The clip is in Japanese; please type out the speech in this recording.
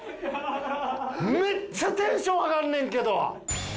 めっちゃテンション上がんねんけど！